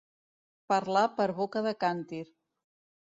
Parlar per boca de càntir.